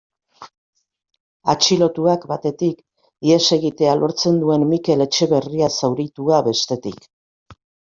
Atxilotuak, batetik, ihes egitea lortzen duen Mikel Etxeberria zauritua, bestetik.